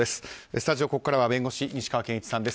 スタジオ、ここからは弁護士、西川研一さんです。